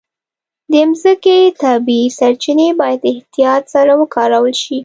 د مځکې طبیعي سرچینې باید احتیاط سره وکارول شي.